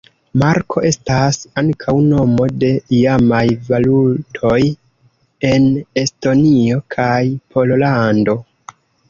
Marko estas ankaŭ nomo de iamaj valutoj en Estonio kaj Pollando.